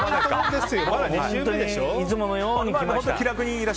いつものように来ました。